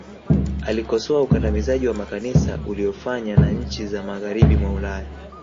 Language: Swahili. alikosoa ukandamizaji wa makanisa uliyofanya na nchi za magharibi mwa ulaya